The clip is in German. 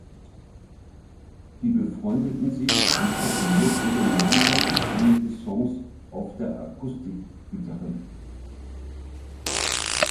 Sie befreundeten sich und komponierten gemeinsam einige Songs auf der Akustikgitarre.